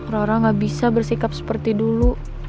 rora gak bisa bersikap seperti dulu